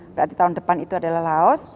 berarti tahun depan itu adalah laos